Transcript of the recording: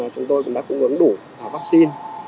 chúng tôi cũng đã cung ứng đủ vắc xin